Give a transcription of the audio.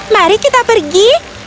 mari kita pergi